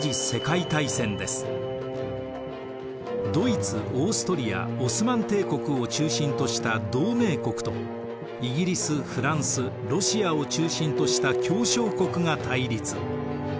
ドイツオーストリアオスマン帝国を中心とした同盟国とイギリスフランスロシアを中心とした協商国が対立。